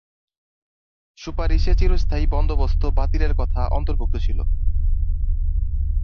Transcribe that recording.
সুপারিশে চিরস্থায়ী বন্দোবস্ত বাতিলের কথা অন্তর্ভুক্ত ছিল।